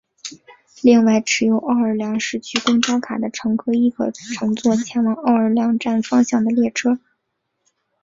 另外持有奥尔良市区公交卡的乘客亦可乘坐前往奥尔良站方向的列车。